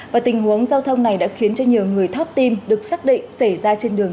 và tình huống giao thông này đã khiến cho nhiều người thoát tim được xác định xảy ra trên đường